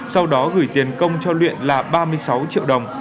sau đó gửi tiền công cho luyện là ba mươi sáu triệu đồng